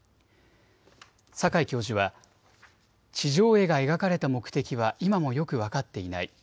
坂井教授は地上絵が描かれた目的は今もよく分かっていない。